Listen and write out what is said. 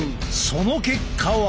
その結果は。